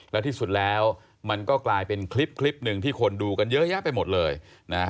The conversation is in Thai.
แล้วที่สุดแล้วมันก็กลายเป็นคลิปคลิปหนึ่งที่คนดูกันเยอะแยะไปหมดเลยนะฮะ